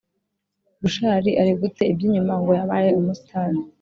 Bushari ari gute ibyi nyuma ngo yabaye umusitari